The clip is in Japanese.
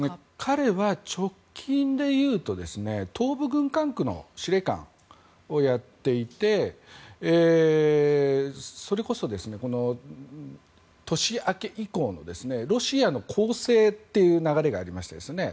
彼は直近でいうと東部軍管区の司令官をやっていてそれこそ年明け以降のロシアの攻勢という流れがありましたよね。